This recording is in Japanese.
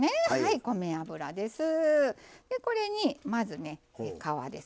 米油です。